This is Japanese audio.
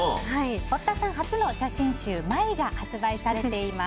堀田さん初の写真集「ＭＹ」が発売されています。